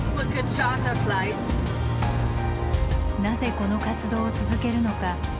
なぜこの活動を続けるのか。